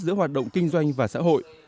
giữa hoạt động kinh doanh và xã hội